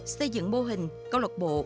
xây dựng mô hình câu lọc bộ